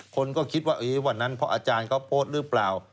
คนก็คิดว่าวันนั้นเพราะอาจารย์เขาโพสต์หรือเปล่า